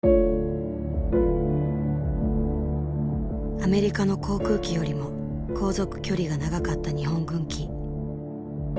アメリカの航空機よりも航続距離が長かった日本軍機。